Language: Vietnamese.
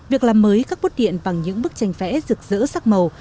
việc làm mới các bút điện bằng những bức tranh vẽ rực rỡ sắc màu